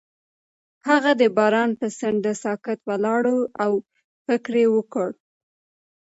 هغه د باران پر څنډه ساکت ولاړ او فکر وکړ.